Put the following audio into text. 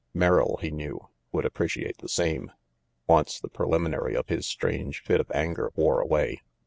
Merrill, he knew, would appreciate the same, once the preliminary of his strange fit of anger wore away.